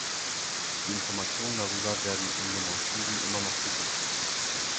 Die Information darüber werden in den Archiven immer noch gesucht.